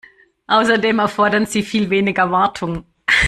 Außerdem erfordern sie viel weniger Wartung.